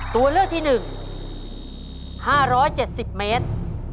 ตัวเลือกที่๑๕๗๐เมตร